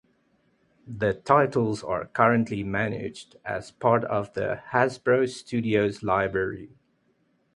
The titles are currently managed as part of the Hasbro Studios library.